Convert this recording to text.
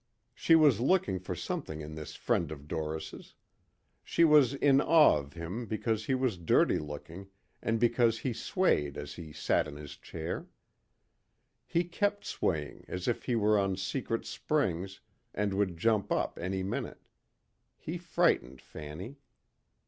She was looking for something in this friend of Doris'. She was in awe of him because he was dirty looking and because he swayed as he sat in his chair. He kept swaying as if he were on secret springs and would jump up any minute. He frightened Fanny.